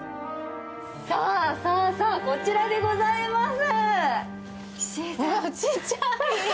さあ、さあさあ、こちらでございます。